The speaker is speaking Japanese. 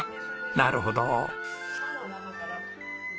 なるほど。